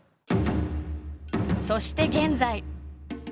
そして現在。